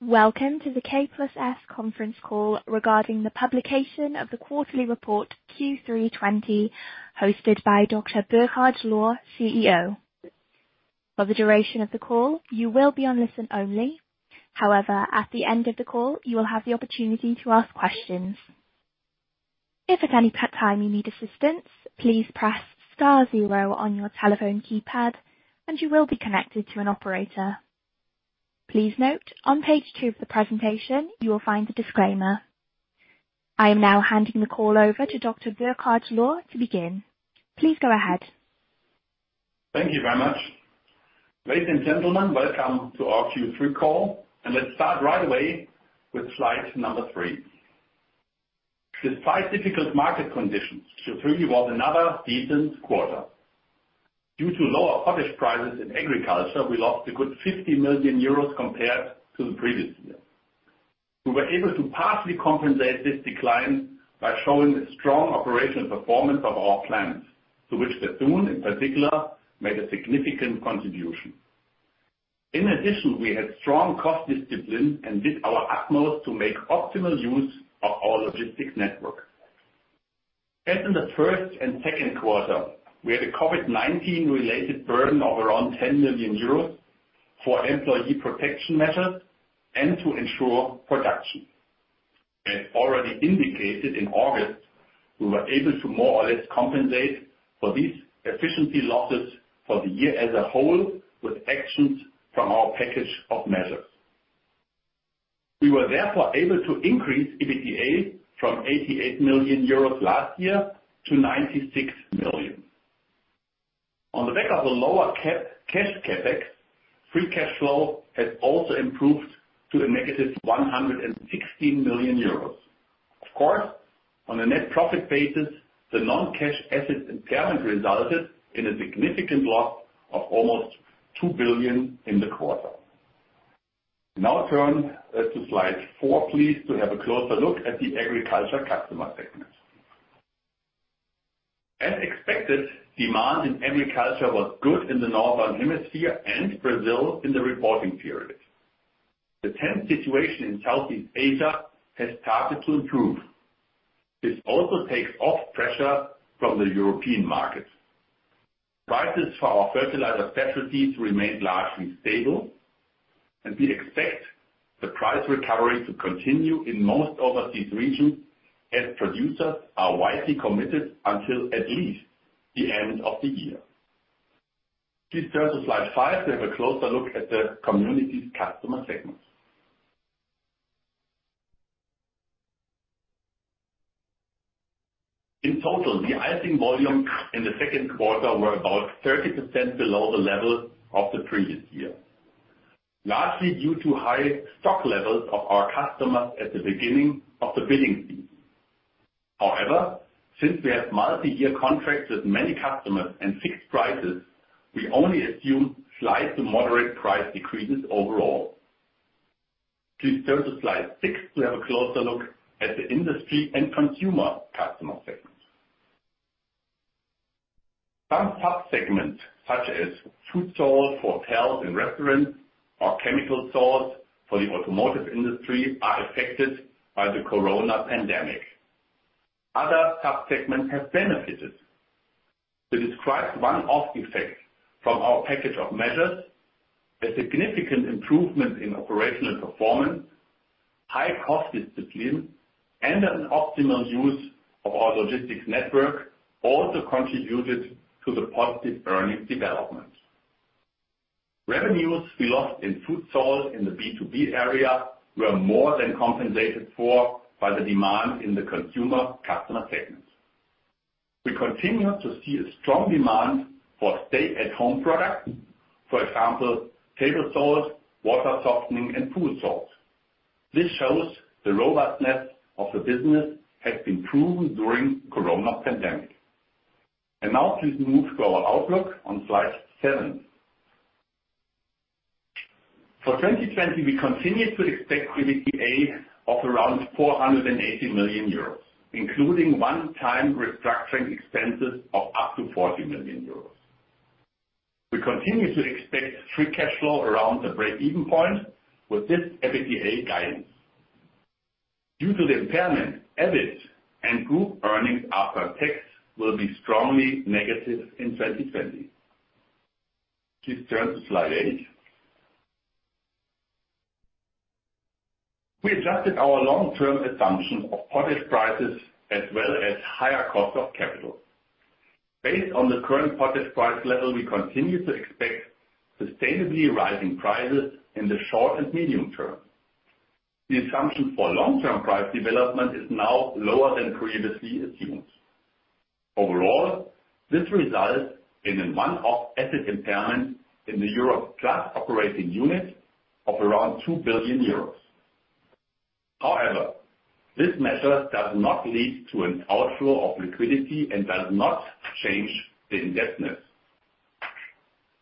Welcome to the K+S conference call regarding the publication of the quarterly report Q3 2020, hosted by Dr. Burkhard Lohr, CEO. For the duration of the call, you will be on listen only. However, at the end of the call, you will have the opportunity to ask questions. If at any time you need assistance, please press star zero on your telephone keypad and you will be connected to an operator. Please note, on page two of the presentation, you will find the disclaimer. I am now handing the call over to Dr. Burkhard Lohr to begin. Please go ahead. Thank you very much. Ladies and gentlemen, welcome to our Q3 call, let's start right away with slide number 3. Despite difficult market conditions, Q3 was another decent quarter. Due to lower potash prices in agriculture, we lost €50 million compared to the previous year. We were able to partially compensate this decline by showing a strong operational performance of our plants, to which Bethune, in particular, made a significant contribution. In addition, we had strong cost discipline and did our utmost to make optimal use of our logistics network. As in the first and second quarter, we had a COVID-19 related burden of around €10 million for employee protection measures and to ensure production. As already indicated in August, we were able to more or less compensate for these efficiency losses for the year as a whole with actions from our package of measures. We were therefore able to increase EBITDA from €88 million last year to €96 million. On the back of a lower cash CapEx, free cash flow has also improved to a negative €116 million. Of course, on a net profit basis, the non-cash asset impairment resulted in a significant loss of almost €2 billion in the quarter. Now turn to slide 4, please, to have a closer look at the agriculture customer segment. As expected, demand in agriculture was good in the Northern Hemisphere and Brazil in the reporting period. The tender situation in Southeast Asia has started to improve. This also takes off pressure from the European market. Prices for our fertilizer specialties remain largely stable. We expect the price recovery to continue in most overseas regions as producers are widely committed until at least the end of the year. Please turn to slide 5 to have a closer look at the communities customer segment. In total, deicing volumes in the Q2 were about 30% below the level of the previous year, largely due to high stock levels of our customers at the beginning of the bidding season. However, since we have multi-year contracts with many customers and fixed prices, we only assume slight to moderate price decreases overall. Please turn to slide 6 to have a closer look at the industry and consumer customer segments. Some sub-segments, such as food salt for hotels and restaurants or chemical salt for the automotive industry, are affected by the coronavirus pandemic. Other sub-segments have benefited. To describe one off effect from our package of measures, a significant improvement in operational performance, high cost discipline, and an optimal use of our logistics network also contributed to the positive earnings development. Revenues we lost in food salt in the B2B area were more than compensated for by the demand in the consumer customer segment. We continue to see a strong demand for stay-at-home products. For example, table salt, water softening, and pool salt. This shows the robustness of the business has been proven during coronavirus pandemic. Now please move to our outlook on slide 7. For 2020, we continue to expect EBITDA of around €480 million, including one-time restructuring expenses of up to €40 million. We continue to expect free cash flow around the break-even point with this EBITDA guidance. Due to the impairment, EBITDA and group earnings after tax will be strongly negative in 2020. Please turn to slide eight. We adjusted our long-term assumption of potash prices as well as higher cost of capital. Based on the current potash price level, we continue to expect sustainably rising prices in the short and medium term. The assumption for long-term price development is now lower than previously assumed. Overall, this results in a one-off asset impairment in the Europe+ operating unit of around €2 billion. However, this measure does not lead to an outflow of liquidity and does not change the indebtedness.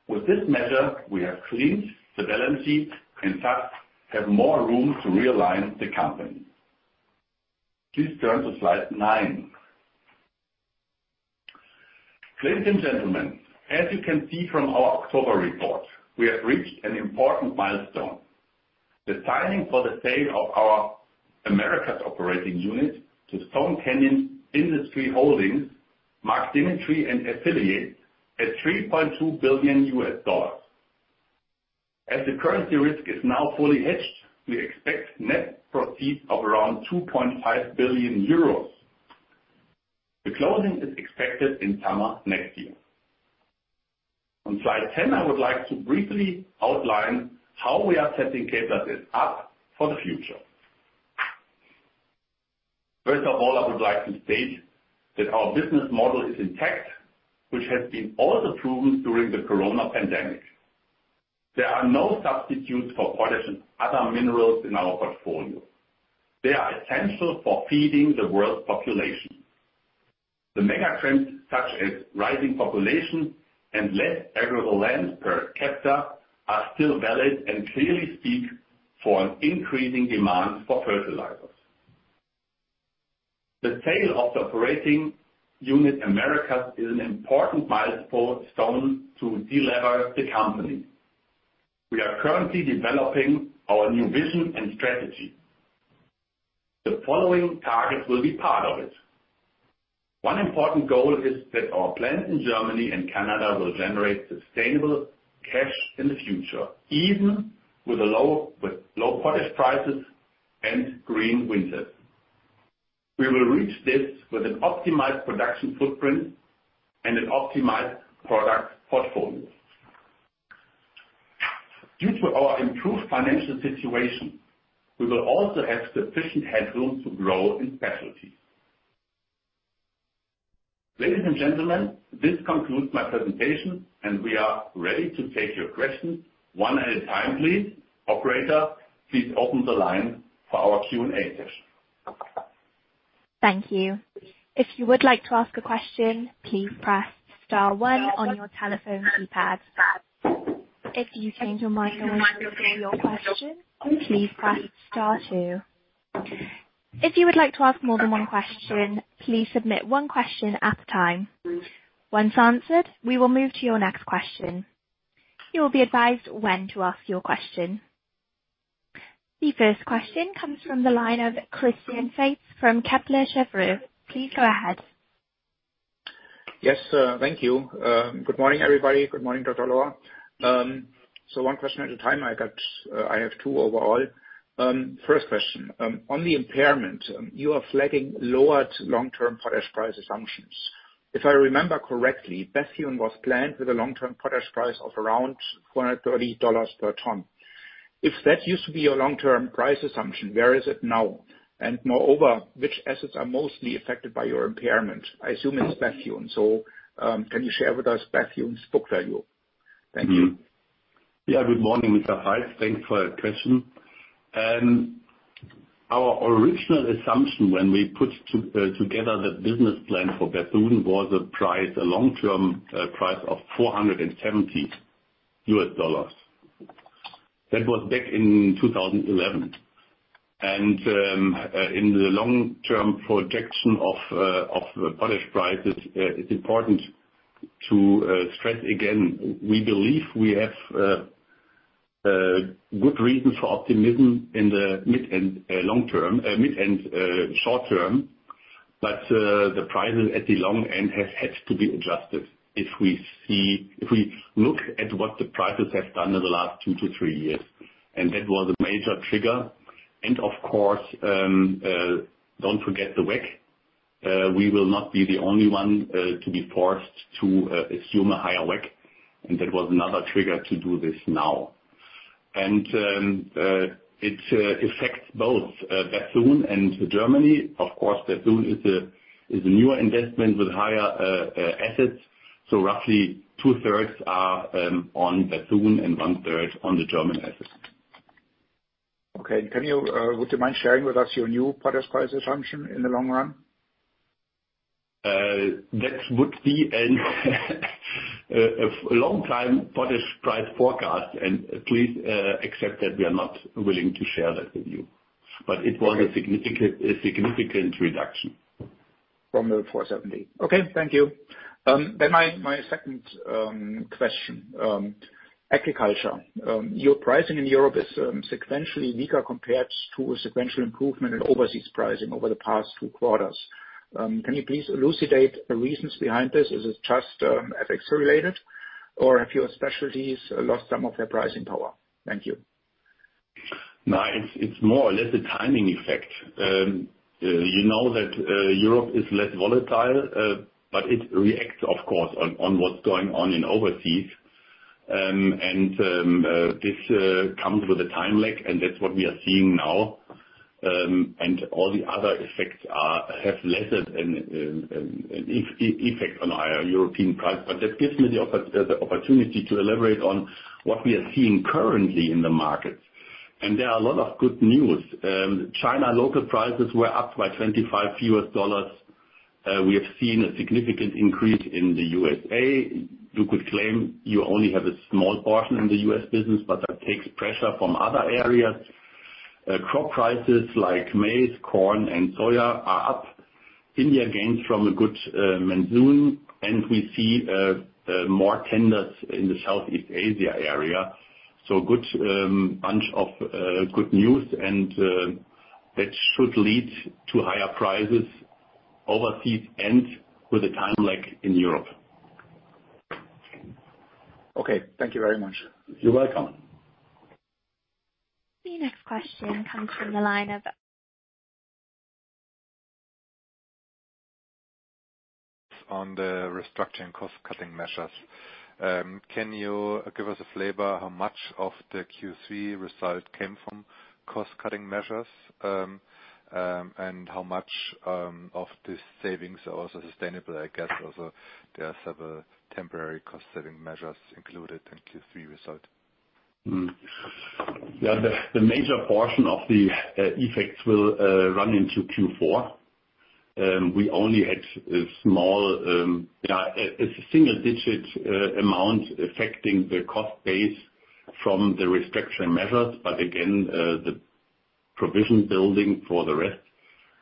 With this measure, we have cleaned the balance sheet and thus have more room to realign the company. Please turn to slide nine. Ladies and gentlemen, as you can see from our October report, we have reached an important milestone. The signing for the sale of our Americas operating unit to Stone Canyon Industries Holdings Mark Demetree and affiliates at $3.2 billion. As the currency risk is now fully hedged, we expect net proceeds of around €2.5 billion. The closing is expected in summer next year. On slide 10, I would like to briefly outline how we are setting K+S up for the future. First of all, I would like to state that our business model is intact, which has been also proven during the COVID pandemic. There are no substitutes for potash and other minerals in our portfolio. They are essential for feeding the world population. The mega trends such as rising population and less arable land per capita are still valid and clearly speak for an increasing demand for fertilizers. The sale of the Operating Unit Americas is an important milestone to de-lever the company. We are currently developing our new vision and strategy. The following targets will be part of it. One important goal is that our plants in Germany and Canada will generate sustainable cash in the future, even with low potash prices and green winters. We will reach this with an optimized production footprint and an optimized product portfolio. Due to our improved financial situation, we will also have sufficient headroom to grow in specialty. Ladies and gentlemen, this concludes my presentation, and we are ready to take your questions one at a time, please. Operator, please open the line for our Q&A session. The first question comes from the line of Christian Faitz from Kepler Cheuvreux. Please go ahead. Yes, thank you. Good morning, everybody. Good morning, Dr. Lohr. One question at a time. I have two overall. First question, on the impairment, you are flagging lower long-term potash price assumptions. If I remember correctly, Bethune was planned with a long-term potash price of around $430 per ton. If that used to be your long-term price assumption, where is it now? Moreover, which assets are mostly affected by your impairment? I assume it is Bethune. Can you share with us Bethune's book value? Thank you. Yeah. Good morning, Mr. Faitz. Thanks for your question. Our original assumption when we put together the business plan for Bethune was a long-term price of $470. That was back in 2011. In the long-term projection of potash prices, it's important to stress again, we believe we have good reasons for optimism in the mid and short term. The prices at the long end have had to be adjusted. If we look at what the prices have done in the last two to three years, and that was a major trigger, and of course, don't forget the WACC. We will not be the only one to be forced to assume a higher WACC, and that was another trigger to do this now. It affects both Bethune and Germany. Of course, Bethune is a newer investment with higher assets. Roughly two-thirds are on Bethune and one-third on the German assets. Okay. Would you mind sharing with us your new potash price assumption in the long run? That would be a long time potash price forecast, please accept that we are not willing to share that with you. It was a significant reduction. From the 470. Okay. Thank you. My second question. Agriculture. Your pricing in Europe+ is sequentially weaker compared to a sequential improvement in overseas pricing over the past two quarters. Can you please elucidate the reasons behind this? Is it just FX related or have your specialties lost some of their pricing power? Thank you. No, it's more or less a timing effect. You know that Europe is less volatile, but it reacts, of course, on what's going on in overseas. This comes with a time lag, and that's what we are seeing now. All the other effects have lesser effect on our European price, but that gives me the opportunity to elaborate on what we are seeing currently in the market. There are a lot of good news. China local prices were up by $25. We have seen a significant increase in the U.S.A. You could claim you only have a small portion in the U.S. business, but that takes pressure from other areas. Crop prices like maize, corn, and soya are up. India gains from a good monsoon, and we see more tenders in the Southeast Asia area. A good bunch of good news, and that should lead to higher prices overseas and with a time lag in Europe. Okay. Thank you very much. You're welcome. The next question comes from the line of On the restructuring cost-cutting measures. Can you give us a flavor how much of the Q3 result came from cost-cutting measures, and how much of these savings are also sustainable? I guess also there are several temporary cost-saving measures included in Q3 result. The major portion of the effects will run into Q4. We only had a small, single-digit amount affecting the cost base from the restructuring measures. Again, the provision building for the rest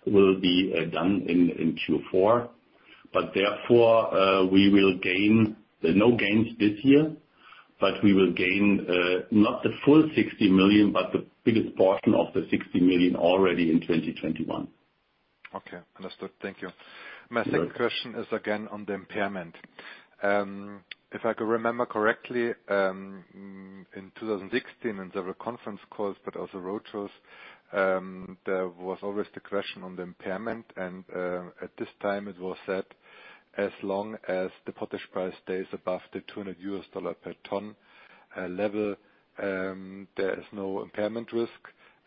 will be done in Q4. Therefore, there are no gains this year. We will gain not the full €60 million, but the biggest portion of the €60 million already in 2021. Okay. Understood. Thank you. You're welcome. My second question is again on the impairment. If I could remember correctly, in 2016 in several conference calls, but also roadshows, there was always the question on the impairment and at this time it was said, as long as the potash price stays above the €200 per ton level, there is no impairment risk,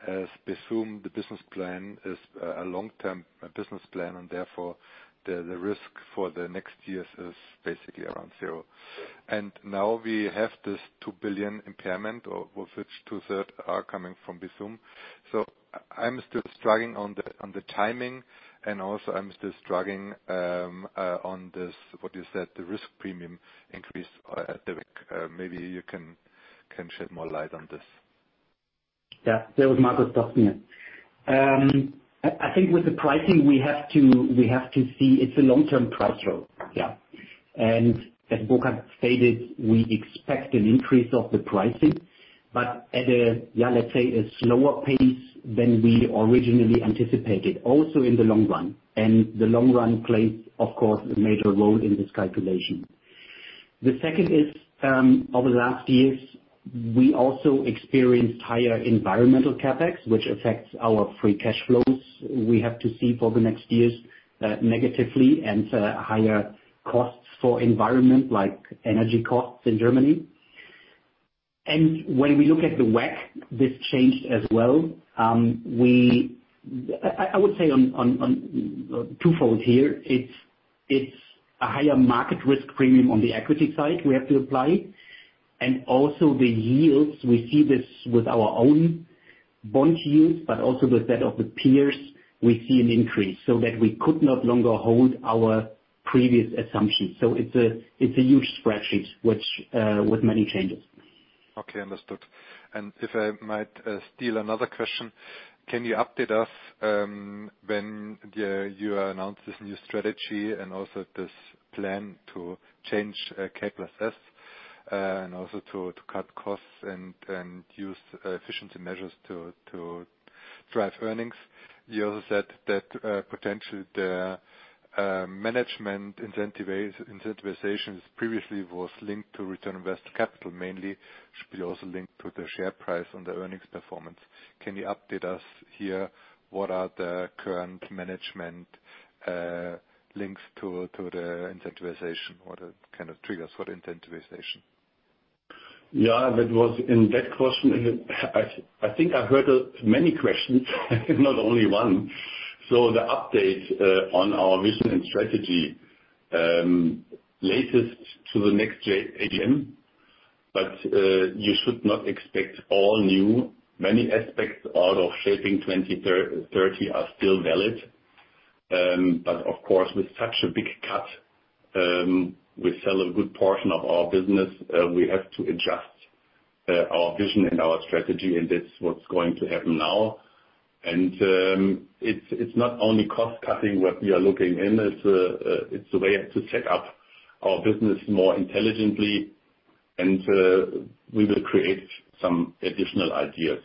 as Bethune, the business plan, is a long-term business plan and therefore the risk for the next years is basically around zero. Now we have this €2 billion impairment, of which two-third are coming from Bethune. I'm still struggling on the timing and also I'm still struggling on this, what you said, the risk premium increase, WACC. Yeah. This is Markus Dopp here. I think with the pricing we have to see, it's a long-term price roll. As Burkhard stated, we expect an increase of the pricing, but at a, let's say, a slower pace than we originally anticipated also in the long run. The long run plays, of course, a major role in this calculation. The second is, over the last years, we also experienced higher environmental CapEx, which affects our free cash flows. We have to see for the next years negatively and higher costs for environment like energy costs in Germany. When we look at the WACC, this changed as well. I would say on twofold here. It's a higher market risk premium on the equity side we have to apply. Also the yields, we see this with our own bond yields, but also with that of the peers, we see an increase, so that we could no longer hold our previous assumptions. It's a huge spreadsheet with many changes. Okay, understood. If I might steal another question, can you update us when you announce this new strategy and also this plan to change K+S and also to cut costs and use efficiency measures to drive earnings? You also said that potentially the management incentivization previously was linked to return on invested capital mainly, should be also linked to the share price on the earnings performance. Can you update us here, what are the current management links to the incentivization? What are kind of triggers for the incentivization? That was in that question. I think I heard many questions, not only one. The update on our vision and strategy, latest to the next AGM. You should not expect all new. Many aspects out of Shaping 2030 are still valid. Of course, with such a big cut, we sell a good portion of our business, we have to adjust our vision and our strategy, and this what's going to happen now. It's not only cost-cutting what we are looking in, it's a way to set up our business more intelligently and we will create some additional ideas.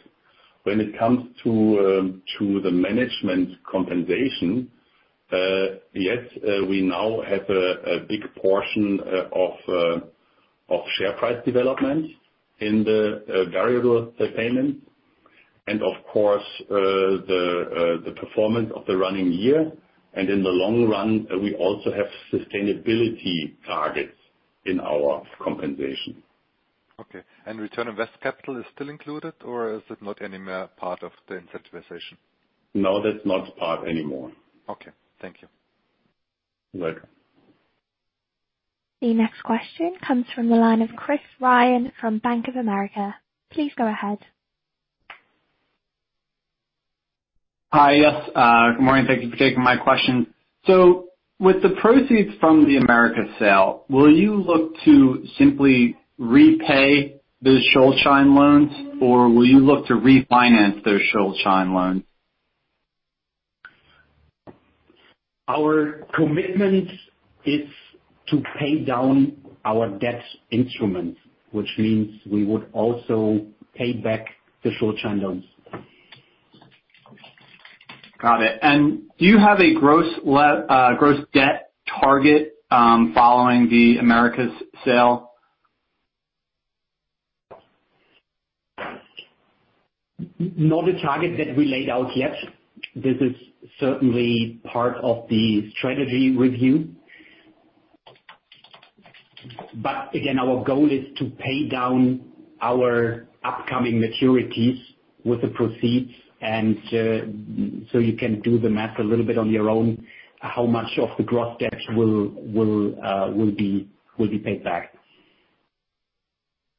When it comes to the management compensation, yes, we now have a big portion of share price development in the variable payment. Of course, the performance of the running year. In the long run, we also have sustainability targets in our compensation. Okay. Return on invested capital is still included or is it not any more part of the incentivization? No, that's not part anymore. Okay. Thank you. You're welcome. The next question comes from the line of Chris Ryan from Bank of America. Please go ahead. Hi. Yes. Good morning. Thank you for taking my question. With the proceeds from the Americas sale, will you look to simply repay the Schuldschein loans, or will you look to refinance those Schuldschein loans? Our commitment is to pay down our debt instrument, which means we would also pay back the Schuldschein loans. Got it. Do you have a gross debt target following the Americas sale? Not a target that we laid out yet. This is certainly part of the strategy review. Again, our goal is to pay down our upcoming maturities with the proceeds. You can do the math a little bit on your own, how much of the gross debt will be paid back.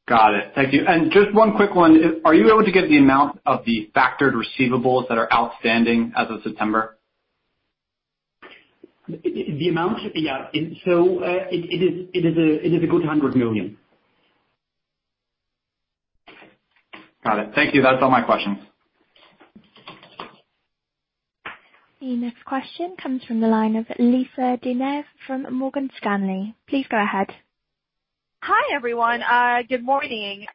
Got it. Thank you. Just one quick one. Are you able to give the amount of the factored receivables that are outstanding as of September? The amount? Yeah. It is a good €100 million. Got it. Thank you. That's all my questions. The next question comes from the line of Lisa De Neve from Morgan Stanley. Please go ahead. Hi, everyone. Good morning.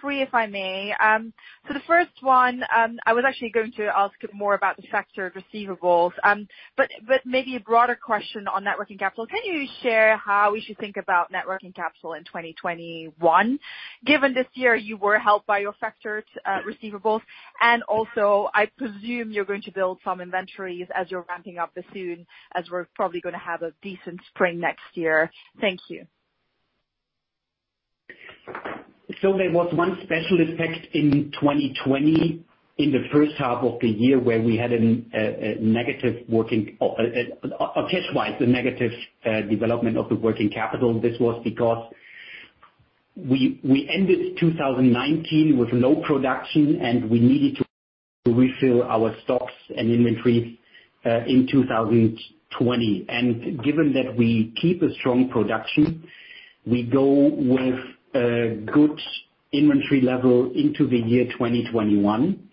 3, if I may. The first one, I was actually going to ask more about the factored receivables, but maybe a broader question on net working capital. Can you share how we should think about net working capital in 2021, given this year you were helped by your factored receivables? I presume you're going to build some inventories as you're ramping up Bethune, as we're probably going to have a decent spring next year. Thank you. There was one special effect in 2020 in the H1 of the year where we had a negative working, or cash-wise, a negative development of the working capital. This was because we ended 2019 with low production, and we needed to refill our stocks and inventories in 2020. Given that we keep a strong production, we go with a good inventory level into the year 2021.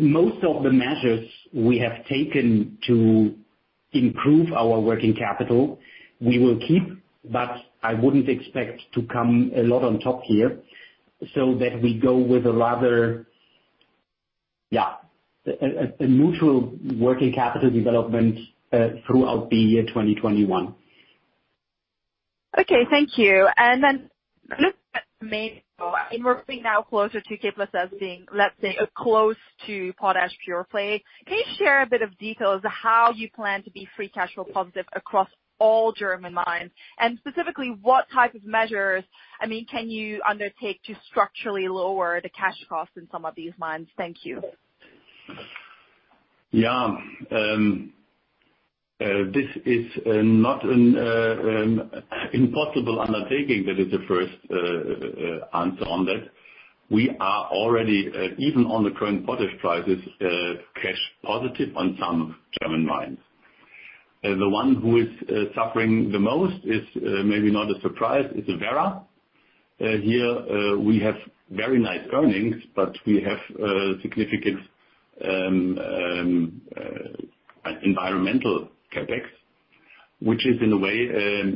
Most of the measures we have taken to improve our working capital, we will keep, but I wouldn't expect to come a lot on top here so that we go with a rather neutral working capital development throughout the year 2021. Okay. Thank you. Looking at and working now closer to K+S being, let's say, close to potash pure play, can you share a bit of details of how you plan to be free cash flow positive across all German mines? Specifically, what type of measures can you undertake to structurally lower the cash costs in some of these mines? Thank you. Yeah. This is not an impossible undertaking. That is the first answer on that. We are already, even on the current potash prices, cash positive on some German mines. The one who is suffering the most is, maybe not a surprise, is Werra. Here we have very nice earnings, but we have significant environmental CapEx, which is in a way,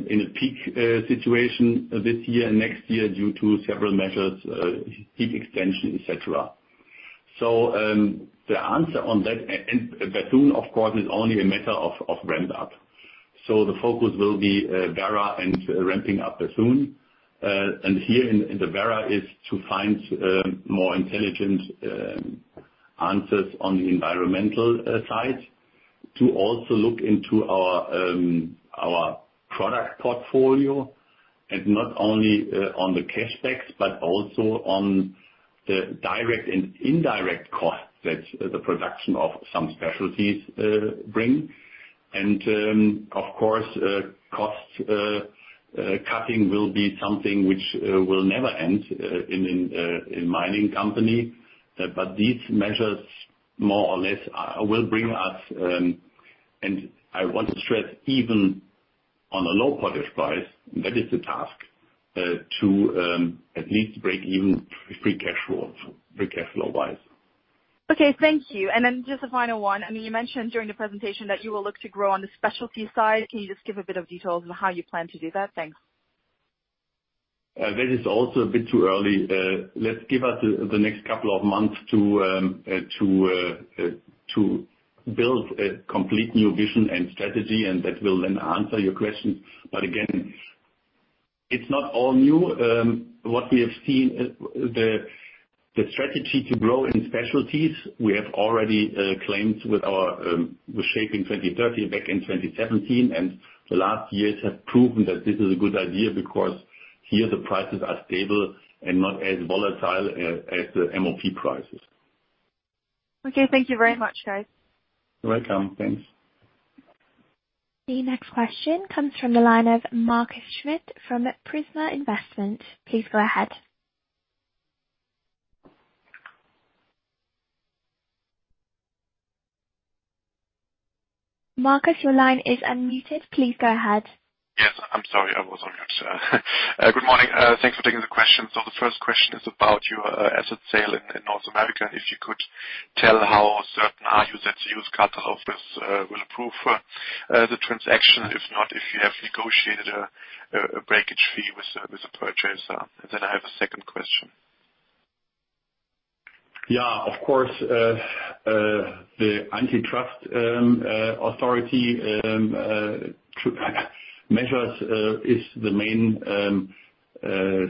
in a peak situation this year, next year, due to several measures, peak extension, et cetera. The answer on that, and Bethune, of course, is only a matter of ramp up. The focus will be Werra and ramping up Bethune. Here in the Werra is to find more intelligent answers on the environmental side to also look into our product portfolio, and not only on the cash costs, but also on the direct and indirect costs that the production of some specialties bring. Of course, cost cutting will be something which will never end in mining company. These measures more or less will bring us, and I want to stress even on a low potash price, that is the task, to at least break even free cash flow-wise. Okay. Thank you. Then just the final one. You mentioned during the presentation that you will look to grow on the specialty side. Can you just give a bit of details on how you plan to do that? Thanks. That is also a bit too early. Let's give us the next couple of months to build a complete new vision and strategy, and that will then answer your question. Again, it's not all new. What we have seen, the strategy to grow in specialties, we have already claimed with Shaping 2030 back in 2017, and the last years have proven that this is a good idea because here the prices are stable and not as volatile as the MOP prices. Okay. Thank you very much, guys. You're welcome. Thanks. The next question comes from the line of Markus Schmitt from Prisma Investment. Please go ahead. Markus, your line is unmuted. Please go ahead. Yes. I'm sorry. I was on mute. Good morning. Thanks for taking the question. The first question is about your asset sale in North America, and if you could tell how certain are you that the U.S. Cartel Office will approve the transaction? If not, if you have negotiated a breakage fee with the purchaser? I have a second question. Yeah, of course, the antitrust authority measures is the main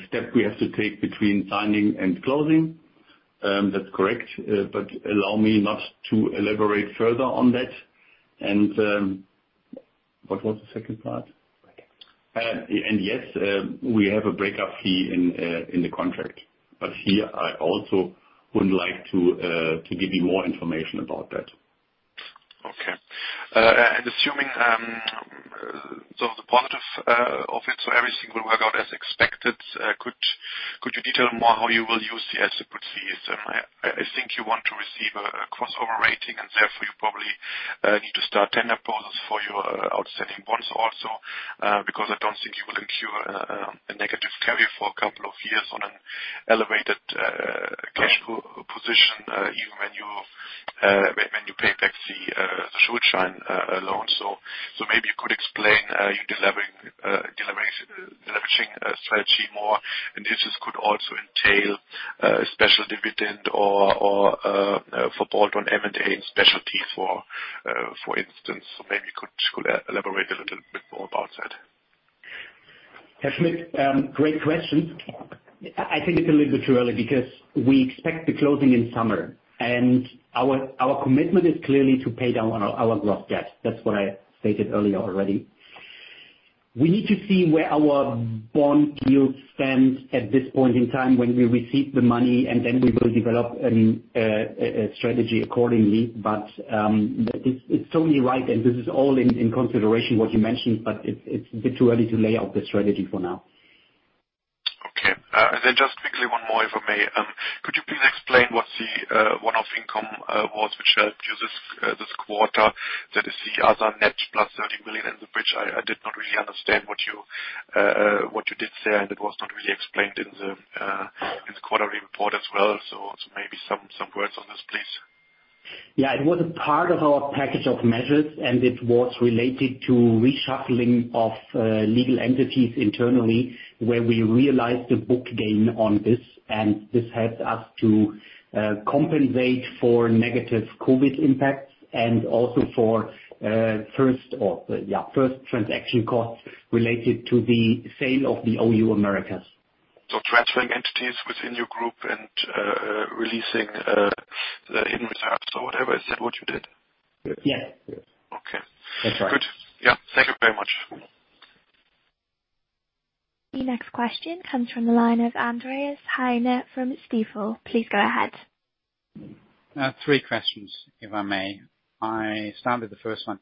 step we have to take between signing and closing. That's correct. Allow me not to elaborate further on that. What was the second part? Breakup. Yes, we have a breakup fee in the contract. Here I also wouldn't like to give you more information about that. Okay. Assuming the positive of it, so everything will work out as expected. Could you detail more how you will use the asset proceeds? I think you want to receive a crossover rating, and therefore you probably need to start tender processes for your outstanding bonds also, because I don't think you will incur a negative carry for a couple of years on an elevated, cash flow position, even when you pay back the Schuldschein loan. Maybe you could explain your deleveraging strategy more, and this could also entail a special dividend or for bolt on M&A in specialty, for instance. Maybe you could elaborate a little bit more about that. Yeah, Schmidt, great question. I think it's a little bit too early because we expect the closing in summer and our commitment is clearly to pay down our gross debt. That's what I stated earlier already. We need to see where our bond yields stand at this point in time when we receive the money, and then we will develop a strategy accordingly. It's totally right, and this is all in consideration what you mentioned, but it's a bit too early to lay out the strategy for now. Okay. Just quickly, one more if I may. Could you please explain what the one-off income was which helped you this quarter? That is the other net plus €30 million, which I did not really understand what you did say, and it was not really explained in the quarterly report as well. Maybe some words on this, please. Yeah. It was a part of our package of measures, and it was related to reshuffling of legal entities internally where we realized a book gain on this. This helped us to compensate for negative COVID impacts and also for first transaction costs related to the sale of the OU Americas. Transferring entities within your group and releasing hidden reserves or whatever, is that what you did? Yeah. Okay. That's right. Good. Yeah, thank you very much. The next question comes from the line of Andreas Heine from Stifel. Please go ahead. Three questions, if I may. I'll start with the first one.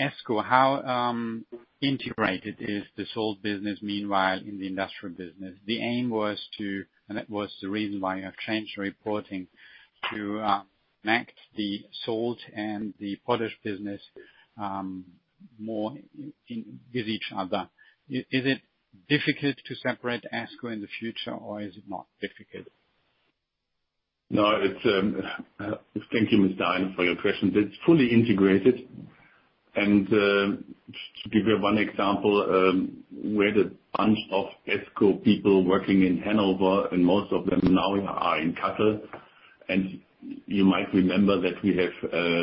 esco, how integrated is the salt business meanwhile in the industrial business? The aim was to, and that was the reason why you have changed your reporting to match the salt and the potash business more with each other. Is it difficult to separate esco in the future or is it not difficult? No. Thank you, Mr. Heine, for your question. It's fully integrated. To give you one example, we had a bunch of esco people working in Hanover, and most of them now are in Kassel. You might remember that we have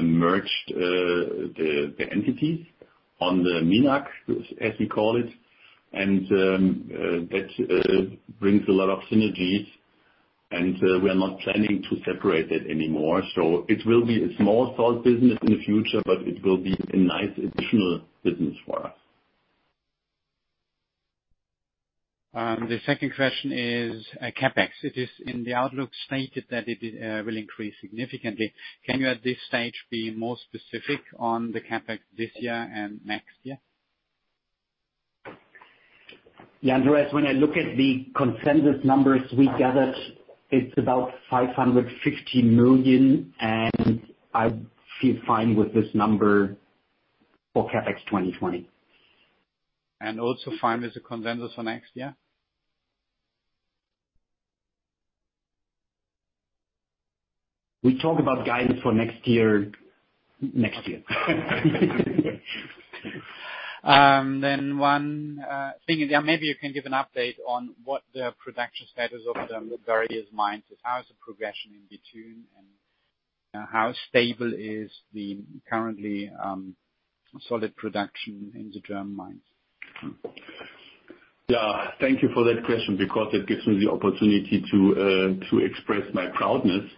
merged the entities on the MinAg, as we call it. That brings a lot of synergies, and we are not planning to separate it anymore. It will be a small salt business in the future, but it will be a nice additional business for us. The second question is CapEx. It is in the outlook stated that it will increase significantly. Can you at this stage be more specific on the CapEx this year and next year? Yeah, Andreas, when I look at the consensus numbers we gathered, it's about €550 million, and I feel fine with this number for CapEx 2020. Also fine with the consensus on next year? We talk about guidance for next year. One thing, maybe you can give an update on what the production status of the various mines is. How is the progression in between, and how stable is the currently solid production in the German mines? Yeah. Thank you for that question because it gives me the opportunity to express my proudness.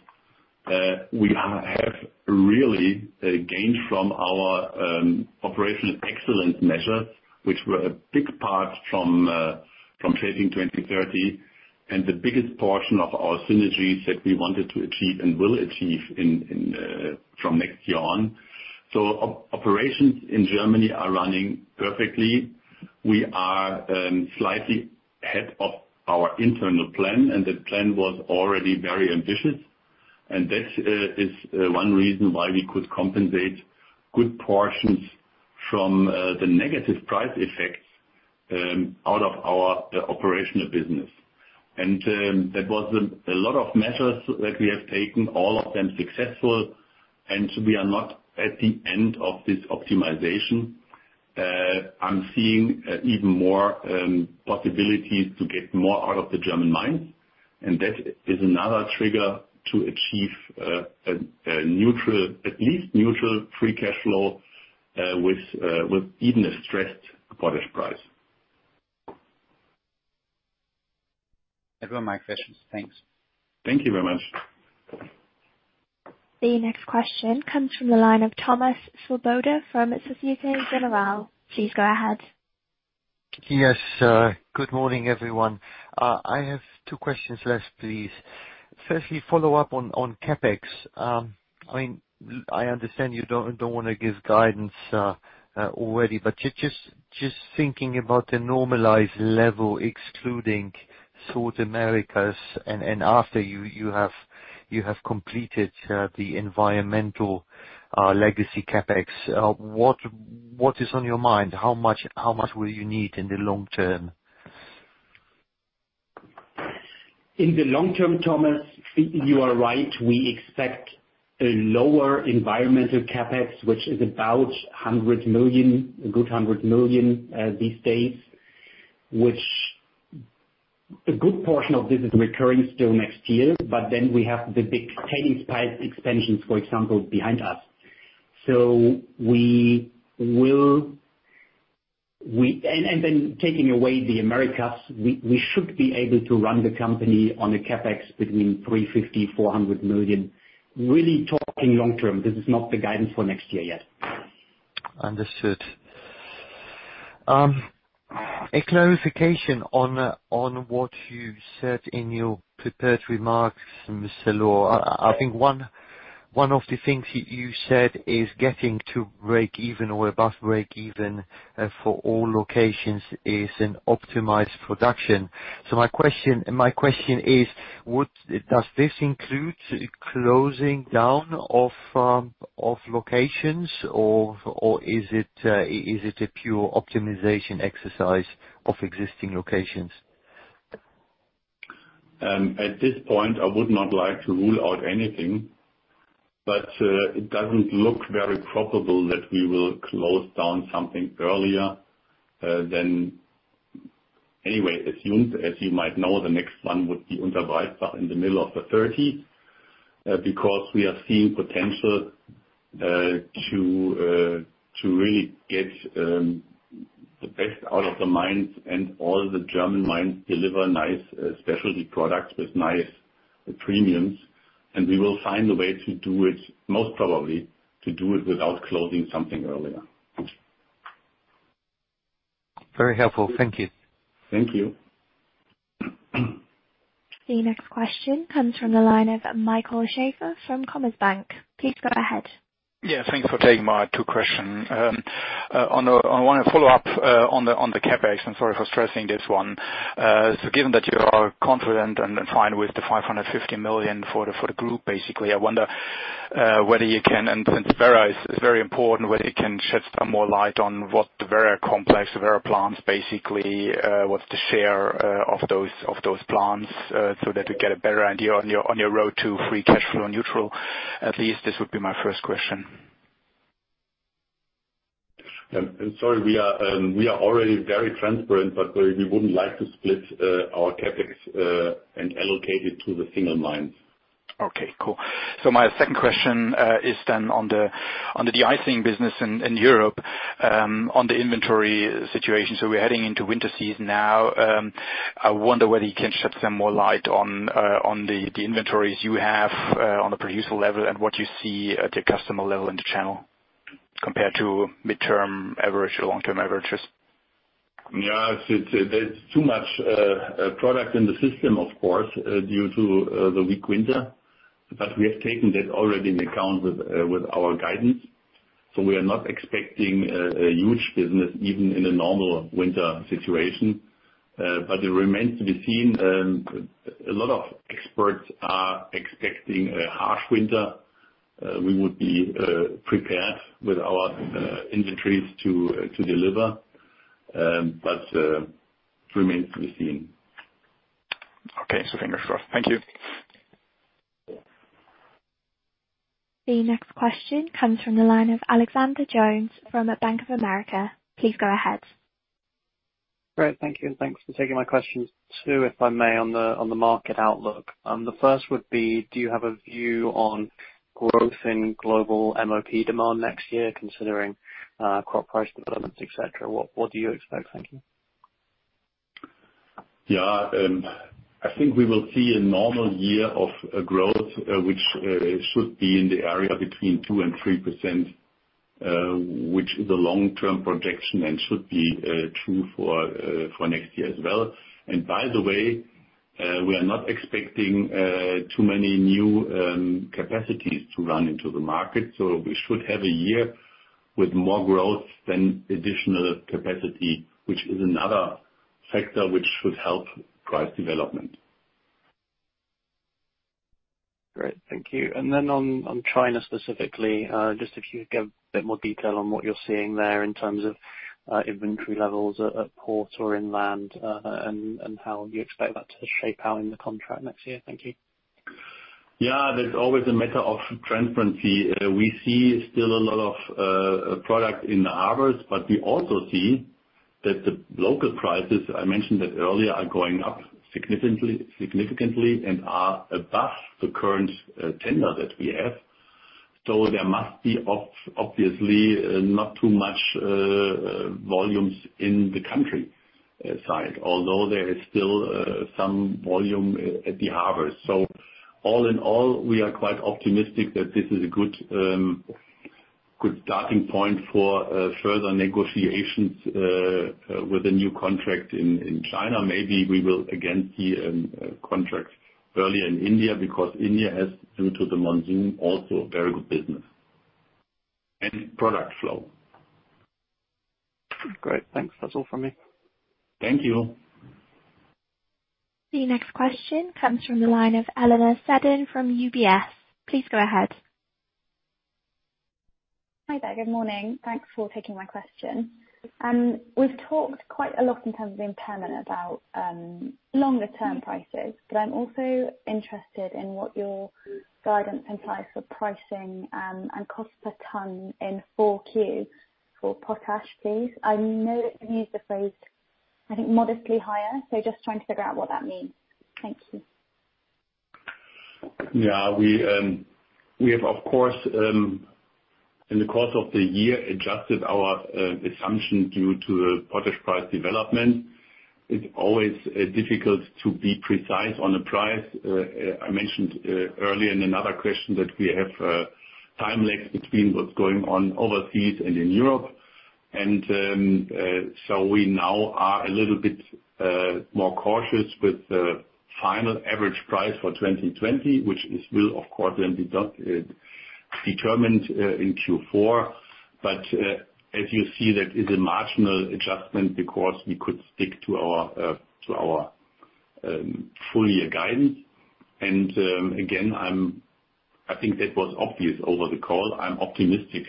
We have really gained from our operational excellence measures, which were a big part from Shaping 2030, and the biggest portion of our synergies that we wanted to achieve and will achieve from next year on. Operations in Germany are running perfectly. We are slightly ahead of our internal plan, and the plan was already very ambitious. That is one reason why we could compensate good portions from the negative price effects out of our operational business. That was a lot of measures that we have taken, all of them successful, and we are not at the end of this optimization. I'm seeing even more possibilities to get more out of the German mines. That is another trigger to achieve at least neutral free cash flow, with even a stressed potash price. That were my questions. Thanks. Thank you very much. The next question comes from the line of Thomas Svoboda from Société Générale. Please go ahead. Yes. Good morning, everyone. I have two questions left, please. Firstly, follow up on CapEx. I understand you don't want to give guidance already. Just thinking about the normalized level, excluding South Americas and after you have completed the environmental legacy CapEx, what is on your mind? How much will you need in the long term? In the long term, Thomas, you are right. We expect a lower environmental CapEx, which is about a good €100 million these days. Which a good portion of this is recurring still next year, but then we have the big tailings pipe expansions, for example, behind us. Taking away the Americas, we should be able to run the company on a CapEx between €350 million to €400 million. Really talking long term. This is not the guidance for next year yet. Understood. A clarification on what you said in your prepared remarks, Mr. Lohr. I think one of the things you said is getting to breakeven or above breakeven for all locations is an optimized production. My question is, does this include closing down of locations, or is it a pure optimization exercise of existing locations? At this point, I would not like to rule out anything. It doesn't look very probable that we will close down something earlier. Anyway, as you might know, the next one would be in the middle of the 2030s, because we are seeing potential to really get the best out of the mines. All the German mines deliver nice specialty products with nice premiums. We will find a way, most probably, to do it without closing something earlier. Very helpful. Thank you. Thank you. The next question comes from the line of Michael Schaefer from Commerzbank. Please go ahead. Yeah, thanks for taking my two question. I want to follow up on the CapEx, and sorry for stressing this one. Given that you are confident and fine with the €550 million for the group, basically, I wonder whether you can, and since Werra is very important, whether you can shed some more light on what the Werra complex, the Werra plants, basically, what's the share of those plants, so that we get a better idea on your road to free cash flow neutral at least. This would be my first question. I'm sorry. We are already very transparent, but we wouldn't like to split our CapEx and allocate it to the single mines. Okay, cool. My second question is on the deicing business in Europe, on the inventory situation. We're heading into winter season now. I wonder whether you can shed some more light on the inventories you have on the producer level and what you see at the customer level in the channel compared to midterm average or long-term averages. Yeah. There's too much product in the system, of course, due to the weak winter. We have taken that already into account with our guidance. We are not expecting a huge business, even in a normal winter situation. It remains to be seen. A lot of experts are expecting a harsh winter. We would be prepared with our inventories to deliver, it remains to be seen. Okay. fingers crossed. Thank you. The next question comes from the line of Alexander Jones from Bank of America. Please go ahead. Great. Thank you. Thanks for taking my questions too, if I may, on the market outlook. The first would be, do you have a view on growth in global MOP demand next year, considering crop price developments, et cetera? What do you expect? Thank you. Yeah. I think we will see a normal year of growth, which should be in the area between 2% and 3%, which is a long-term projection and should be true for next year as well. By the way, we are not expecting too many new capacities to run into the market. We should have a year with more growth than additional capacity, which is another factor which should help price development. Great, thank you. On China specifically, just if you could give a bit more detail on what you're seeing there in terms of inventory levels at port or inland, and how you expect that to shape out in the contract next year. Thank you. There's always a matter of transparency. We see still a lot of product in the harbors, but we also see that the local prices, I mentioned that earlier, are going up significantly and are above the current tender that we have. There must be, obviously, not too much volumes in the countryside, although there is still some volume at the harbors. All in all, we are quite optimistic that this is a good starting point for further negotiations with the new contract in China. Maybe we will again see contracts early in India because India has, due to the monsoon, also very good business and product flow. Great, thanks. That is all from me. Thank you. The next question comes from the line of Eleanor Seddon from UBS. Please go ahead. Hi there. Good morning. Thanks for taking my question. We've talked quite a lot in terms of impairment about longer term prices, but I'm also interested in what your guidance implies for pricing and cost per ton in Q4 for potash, please. I know that you used the phrase, I think modestly higher, so just trying to figure out what that means. Thank you. Yeah. We have, in the course of the year, adjusted our assumption due to the potash price development. It's always difficult to be precise on the price. I mentioned earlier in another question that we have a time lag between what's going on overseas and in Europe. We now are a little bit more cautious with the final average price for 2020, which will, of course, then be determined in Q4. As you see, that is a marginal adjustment because we could stick to our full-year guidance. Again, I think that was obvious over the call. I'm optimistic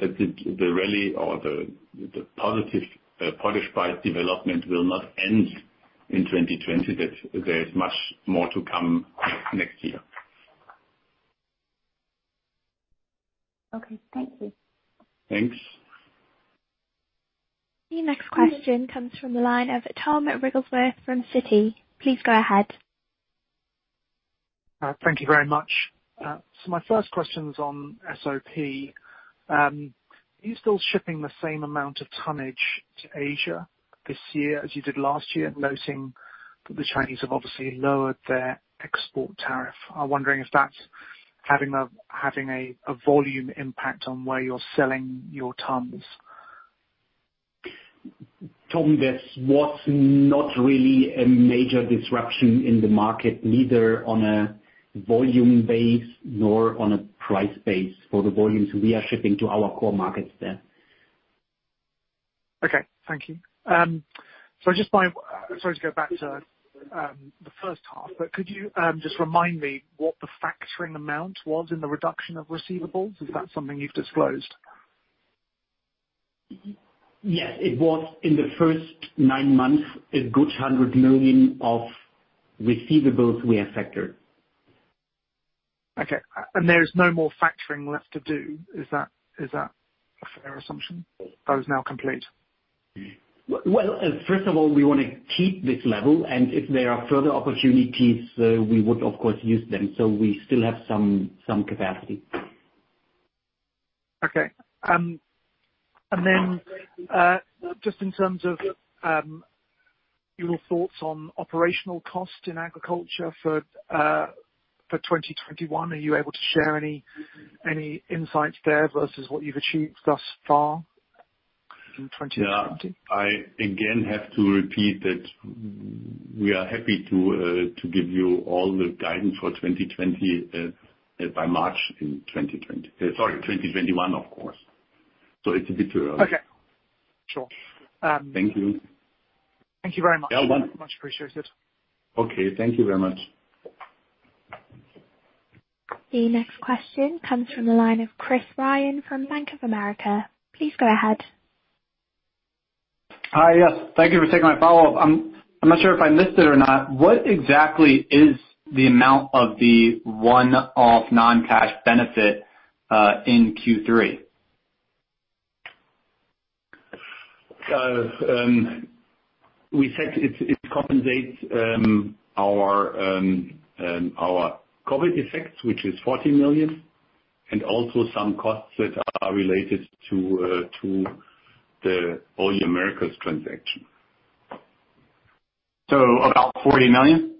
that the rally or the positive potash price development will not end in 2020, that there is much more to come next year. Okay, thank you. Thanks. The next question comes from the line of Tom Wrigglesworth from Citi. Please go ahead. Thank you very much. My first question's on SOP. Are you still shipping the same amount of tonnage to Asia this year as you did last year? Noting that the Chinese have obviously lowered their export tariff. I'm wondering if that's having a volume impact on where you're selling your tons. Tom, that was not really a major disruption in the market, neither on a volume base nor on a price base for the volumes we are shipping to our core markets there. Okay, thank you. Sorry to go back to the H1, could you just remind me what the factoring amount was in the reduction of receivables? Is that something you've disclosed? It was in the first 9 months, a good €100 million of receivables we have factored. Okay. There is no more factoring left to do, is that a fair assumption? That is now complete. First of all, we want to keep this level, and if there are further opportunities, we would of course use them. We still have some capacity. Okay. Just in terms of your thoughts on operational cost in agriculture for 2021, are you able to share any insights there versus what you've achieved thus far in 2020? I again have to repeat that we are happy to give you all the guidance for 2020 by March in 2020. Sorry, 2021, of course. It's a bit early. Okay, sure. Thank you. Thank you very much. Yeah. Much appreciated. Okay, thank you very much. The next question comes from the line of Chris Ryan from Bank of America. Please go ahead. Hi, yes. Thank you for taking my follow-up. I'm not sure if I missed it or not. What exactly is the amount of the one-off non-cash benefit, in Q3? We said it compensates our COVID effects, which is €40 million, and also some costs that are related to the OU Americas transaction. About €40 million?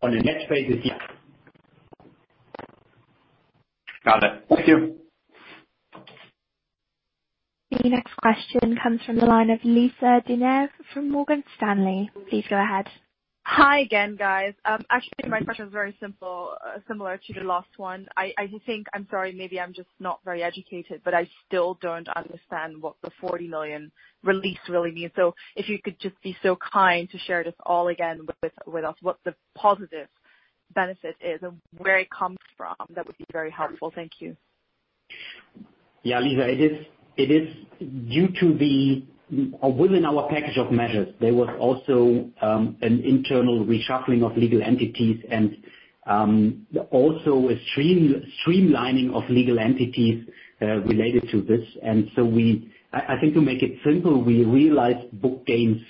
On a net basis, yes. Thank you. The next question comes from the line of Lisa De Neve from Morgan Stanley. Please go ahead. Hi again, guys. My question is very simple, similar to the last one. I think, I'm sorry, maybe I'm just not very educated, but I still don't understand what the €40 million release really means. If you could just be so kind to share this all again with us, what the positive benefit is and where it comes from, that would be very helpful. Thank you. Yeah, Lisa, it is within our package of measures. There was also an internal reshuffling of legal entities and also a streamlining of legal entities related to this. I think to make it simple, we realized book gains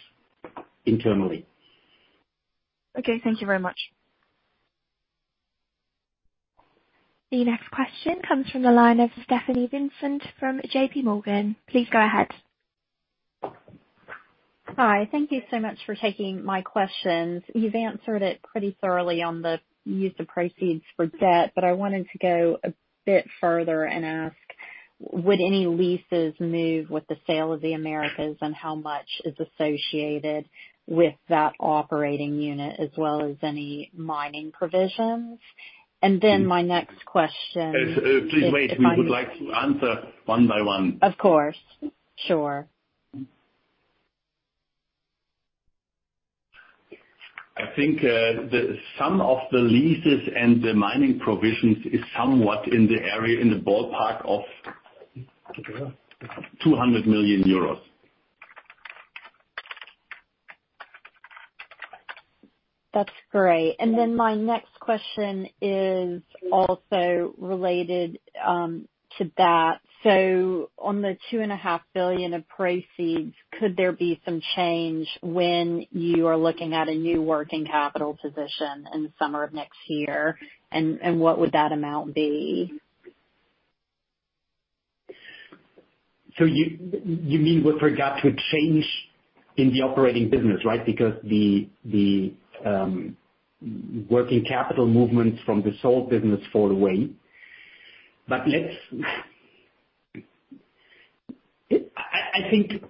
internally. Okay. Thank you very much. The next question comes from the line of Stephanie Vincent from JP Morgan. Please go ahead. Hi. Thank you so much for taking my questions. You've answered it pretty thoroughly on the use of proceeds for debt, but I wanted to go a bit further and ask, would any leases move with the sale of the Americas, and how much is associated with that operating unit as well as any mining provisions? Please wait. We would like to answer one by one. Of course. Sure. I think some of the leases and the mining provisions is somewhat in the area, in the ballpark of €200 million. That's great. My next question is also related to that. On the €2.5billion of proceeds, could there be some change when you are looking at a new working capital position in the summer of next year? What would that amount be? You mean with regard to a change in the operating business, right? Because the working capital movements from the sold business fall away.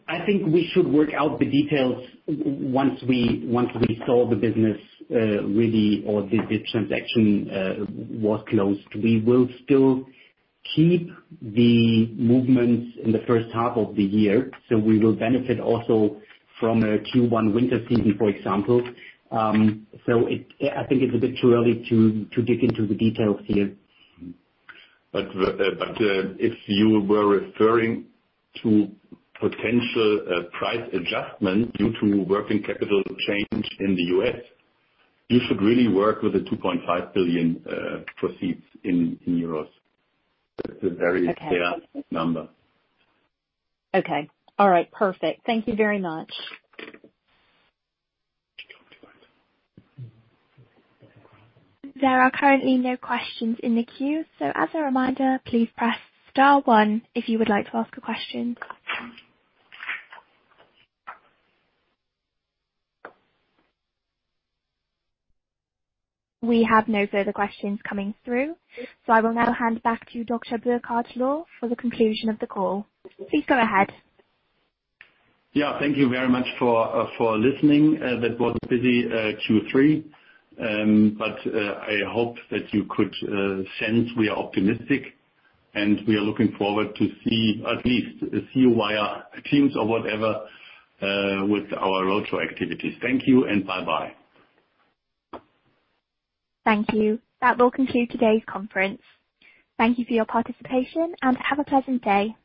I think we should work out the details once we sold the business really, or the transaction was closed. We will still keep the movements in the first half of the year, so we will benefit also from a Q1 winter season, for example. I think it's a bit too early to dig into the details here. If you were referring to potential price adjustment due to working capital change in the U.S., you should really work with the €2.5 billion proceeds in euros. That's a very fair number. Okay. All right. Perfect. Thank you very much. There are currently no questions in the queue, so as a reminder, please press star one if you would like to ask a question. We have no further questions coming through, so I will now hand back to Dr. Burkhard Lohr for the conclusion of the call. Please go ahead. Thank you very much for listening. That was a busy Q3. I hope that you could sense we are optimistic, and we are looking forward to see at least see you via Teams or whatever, with our roadshow activities. Thank you and bye-bye. Thank you. That will conclude today's conference. Thank you for your participation, and have a pleasant day.